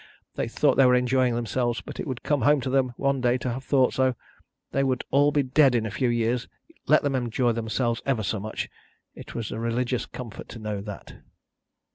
They thought they were enjoying themselves, but it would come home to them one day to have thought so. They would all be dead in a few years, let them enjoy themselves ever so much. It was a religious comfort to know that.